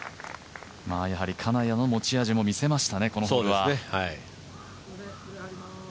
金谷の持ち味も見せましたね、このホールは。